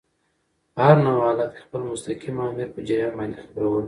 په هر نوع حالت کي خپل مستقیم آمر په جریان باندي خبرول.